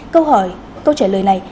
câu hỏi câu trả lời này